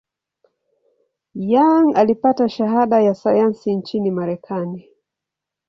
Young alipata shahada ya sayansi nchini Marekani.